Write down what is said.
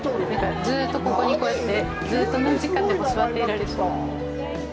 ずうっとここにこうやってずうっと何時間でも座っていられそう。